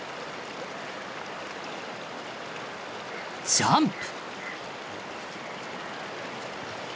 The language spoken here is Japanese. ジャンプ！